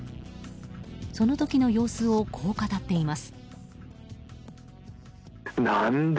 その時の様子をこう語っています。